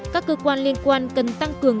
các cơ quan liên quan cần tăng cường